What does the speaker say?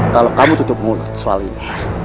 kalau kamu tutup mulut soal ini